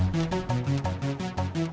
mengapa kamu ngeliatin saya terus